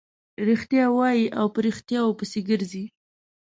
رښتیا وايي او په ريښتیاوو پسې ګرځي.